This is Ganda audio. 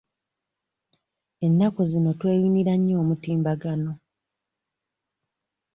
Ennaku zino tweyunira nnyo omutimbagano.